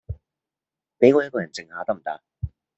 比我一個人靜下得唔得